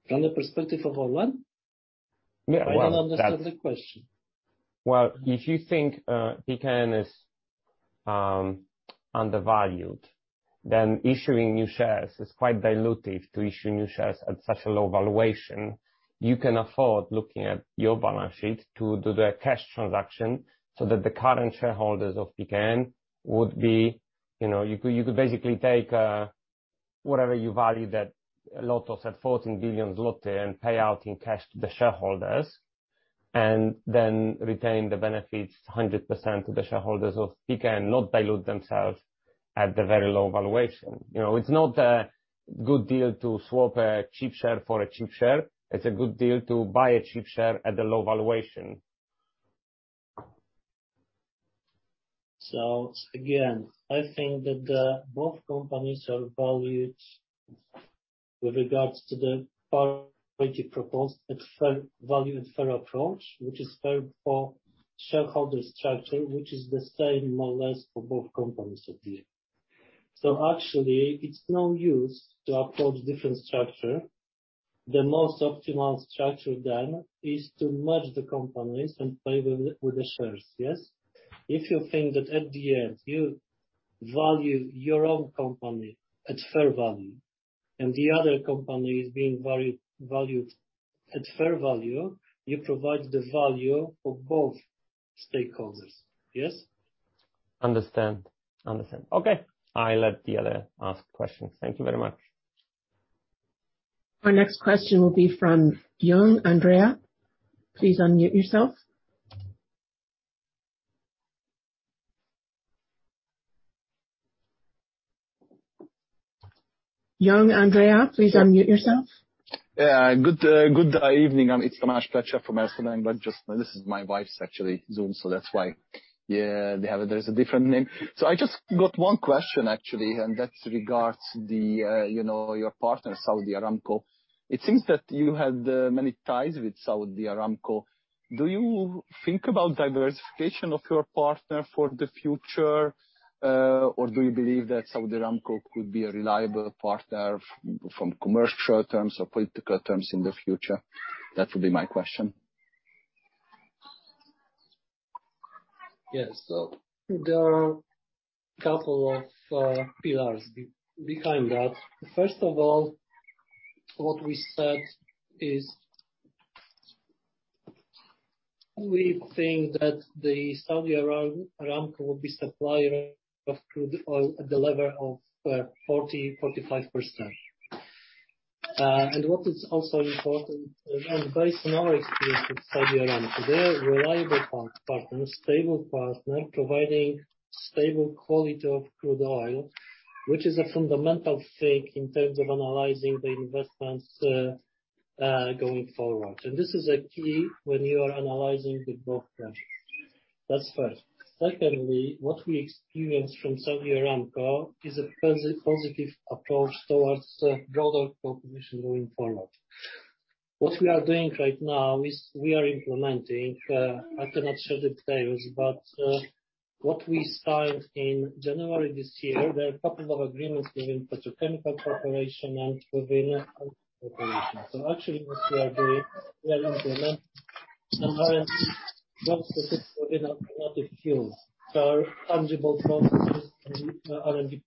From the perspective of ORLEN? Yeah, well, that's. I don't understand the question. Well, if you think PKN is undervalued, then issuing new shares is quite dilutive to issue new shares at such a low valuation. You can afford looking at your balance sheet to do the cash transaction so that the current shareholders of PKN would be, you know. You could basically take whatever you value that Lotos at 14 billion zloty and pay out in cash to the shareholders, and then retain the benefits 100% to the shareholders of PKN, not dilute themselves at the very low valuation. You know, it's not a good deal to swap a cheap share for a cheap share. It's a good deal to buy a cheap share at a low valuation. Again, I think that both companies are valued with regards to the parity proposed at fair value and fair approach, which is fair for shareholder structure, which is the same more or less for both companies at the end. Actually it's no use to approach different structure. The most optimal structure then is to merge the companies and play with the shares. Yes? If you think that at the end you value your own company at fair value and the other company is being valued at fair value, you provide the value for both stakeholders. Yes? Understand. Okay, I'll let the others ask questions. Thank you very much. Our next question will be from Tomáš Plucha. Please unmute yourself. Tomáš Plucha, please unmute yourself. Yeah. Good evening. It's Tomáš Plucha from Erste Bank, but just this is my wife's actually Zoom, so that's why. Yeah, there's a different name. I just got one question actually, and that's regards the, you know, your partner, Saudi Aramco. It seems that you had many ties with Saudi Aramco. Do you think about diversification of your partner for the future, or do you believe that Saudi Aramco could be a reliable partner from commercial terms or political terms in the future? That would be my question. Yes. There are a couple of pillars behind that. First of all, what we said is we think that the Saudi Aramco will be supplier of crude oil at the level of 40-45%. What is also important, and based on our experience with Saudi Aramco, they're a reliable partner, stable partner, providing stable quality of crude oil, which is a fundamental thing in terms of analyzing the investments going forward. This is a key when you are analyzing the growth projects. That's first. Secondly, what we experience from Saudi Aramco is a positive approach towards broader cooperation going forward. What we are doing right now is we are implementing. I cannot share the details, but what we signed in January this year, there are couple of agreements between petrochemical corporation and. Actually, what we are doing, we are implementing an R&D specific within alternative fuels. Tangible processes in R&D.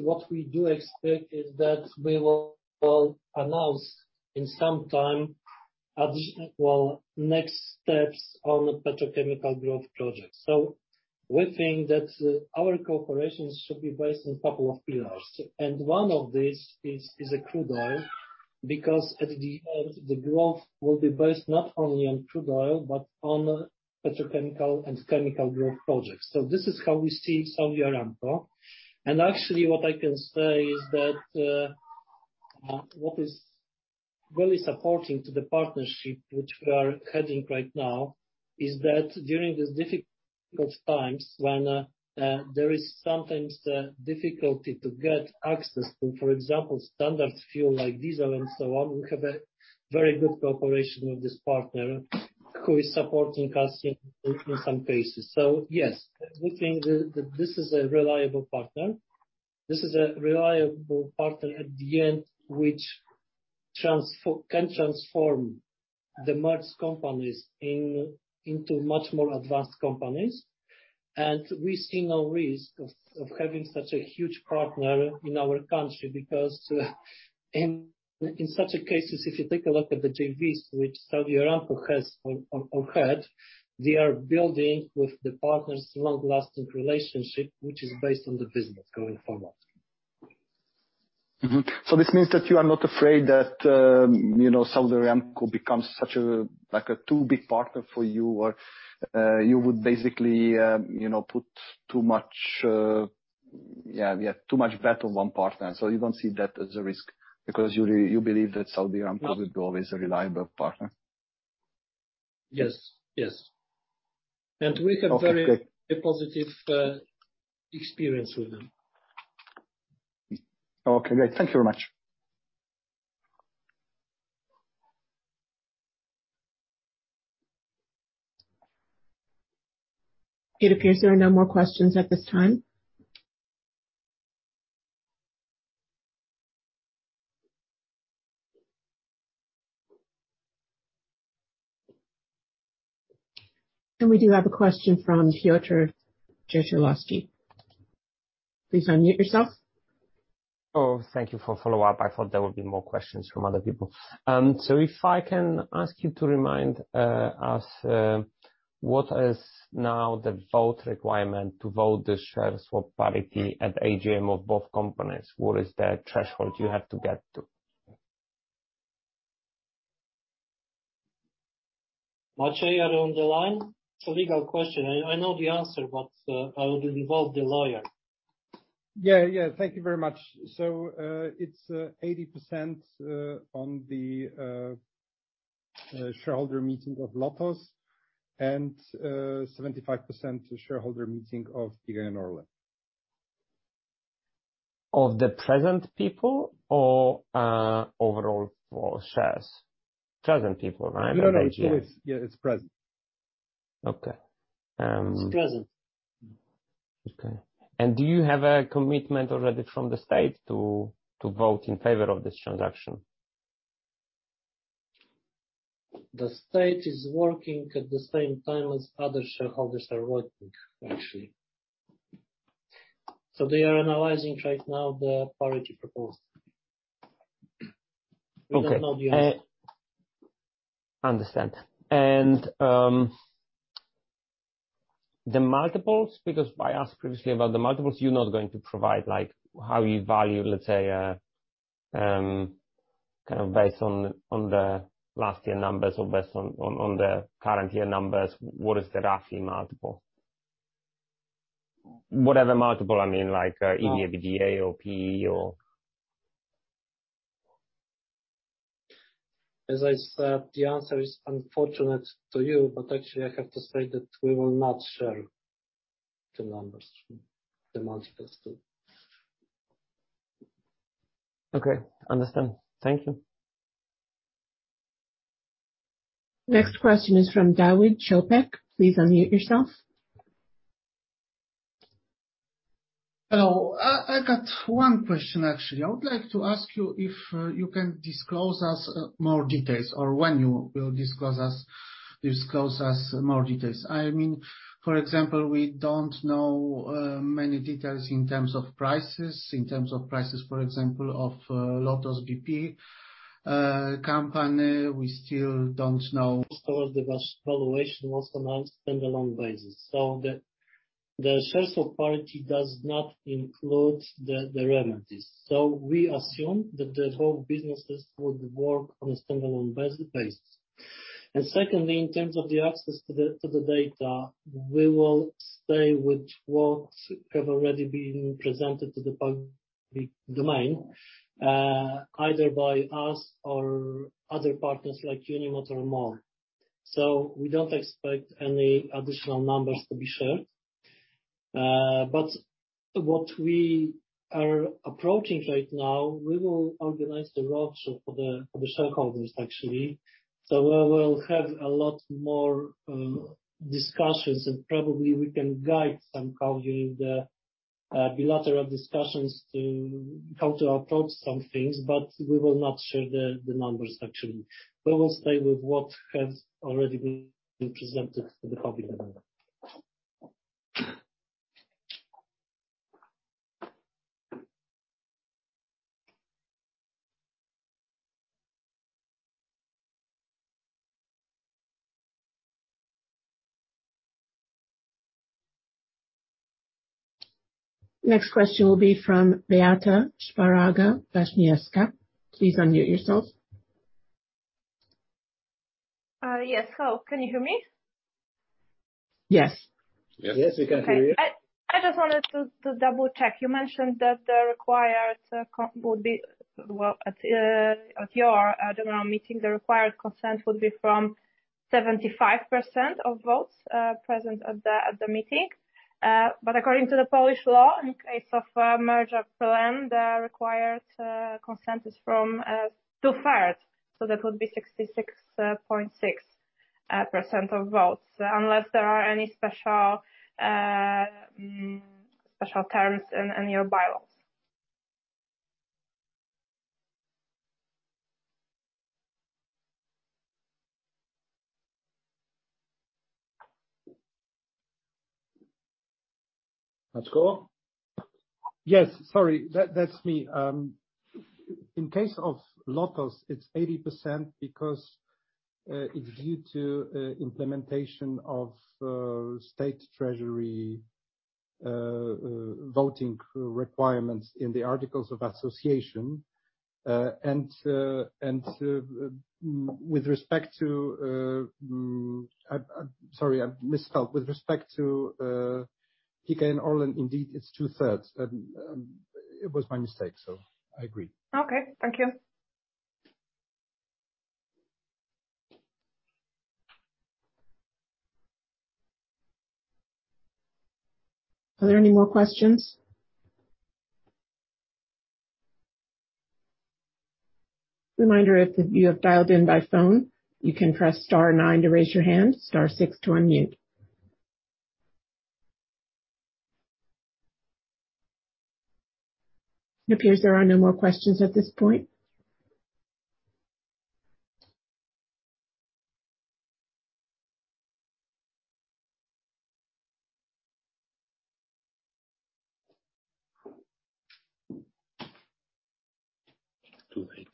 What we do expect is that we will announce in some time, well, next steps on the petrochemical growth project. We think that our cooperation should be based on couple of pillars. One of these is a crude oil, because at the end, the growth will be based not only on crude oil but on petrochemical and chemical growth projects. This is how we see Saudi Aramco. Actually what I can say is that what is really supporting to the partnership which we are heading right now is that during these difficult times when there is sometimes a difficulty to get access to for example standard fuel like diesel and so on we have a very good cooperation with this partner who is supporting us in some cases. Yes we think this is a reliable partner. This is a reliable partner at the end which can transform the merged companies into much more advanced companies. We see no risk of having such a huge partner in our country because in such cases if you take a look at the JVs which Saudi Aramco has or had they are building with the partners long-lasting relationship which is based on the business going forward. Mm-hmm. This means that you are not afraid that, you know, Saudi Aramco becomes such a, like a too big partner for you, or, you would basically, you know, put too much, yeah, too much bet on one partner. You don't see that as a risk because you believe that Saudi Aramco will be always a reliable partner. Yes. Yes. Okay, great. We have very positive experience with them. Okay, great. Thank you very much. It appears there are no more questions at this time. We do have a question from Piotr Gancewski. Please unmute yourself. Thank you for follow-up. I thought there would be more questions from other people. If I can ask you to remind us, what is now the vote requirement to vote the share swap parity at AGM of both companies? What is the threshold you have to get to? Maciej, are you on the line? It's a legal question. I know the answer, but I would involve the lawyer. Yeah, yeah. Thank you very much. It's 80% on the shareholder meeting of Lotos and 75% shareholder meeting of PKN ORLEN. Of the present people or, overall for shares? Present people, right? No, no. Yeah, it's present. Okay. It's present. Okay. Do you have a commitment already from the state to vote in favor of this transaction? The state is working at the same time as other shareholders are working, actually. They are analyzing right now the parity proposal. Okay. We don't know the answer. Understand. The multiples, because I asked previously about the multiples, you're not going to provide, like, how you value, let's say, kind of based on the last year numbers or based on the current year numbers, what is the roughly multiple? Whatever multiple, I mean, like, EBITDA or PE or As I said, the answer is unfortunate for you, but actually I have to say that we will not share the numbers, the multiples too. Okay. Understand. Thank you. Next question is from Dawid Czopek. Please unmute yourself. Hello. I got one question, actually. I would like to ask you if you can disclose us more details or when you will disclose us more details. I mean, for example, we don't know many details in terms of prices, for example, of LOTOS Biopaliwa company. We still don't know. The valuation was announced on a stand-alone basis. The source of parity does not include the remedies. We assume that the whole businesses would work on a stand-alone basis. Secondly, in terms of the access to the data, we will stay with what has already been presented to the public domain, either by us or other partners like Unimot or MOL. We don't expect any additional numbers to be shared. What we are approaching right now, we will organize the roadshows for the shareholders, actually. We will have a lot more discussions and probably we can guide somehow during the bilateral discussions to how to approach some things. We will not share the numbers, actually. We will stay with what has already been presented to the public domain. Next question will be from Beata Szparaga-Waśniewska. Please unmute yourself. Yes. Hello, can you hear me? Yes. Yes. Yes, we can hear you. Okay. I just wanted to double-check. You mentioned that the required consent would be, well, at your general meeting, the required consent would be from 75% of votes present at the meeting. According to the Polish law, in case of a merger plan, the required consent is from two-thirds, so that would be 66.6% of votes, unless there are any special terms in your bylaws. Paweł? Yes. Sorry, that's me. In case of Lotos, it's 80% because it's due to implementation of State Treasury voting requirements in the articles of association. With respect to PKN ORLEN, indeed, it's two-thirds. It was my mistake, so I agree. Okay. Thank you. Are there any more questions? Reminder, if you have dialed in by phone, you can press star nine to raise your hand, star six to unmute. It appears there are no more questions at this point. Too late.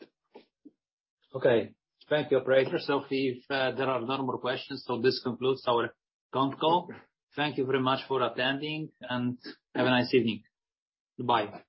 Okay. Thank you, operator. If there are no more questions, so this concludes our conference call. Thank you very much for attending, and have a nice evening. Goodbye.